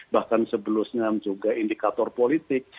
bahkan sebelumnya juga indikator politik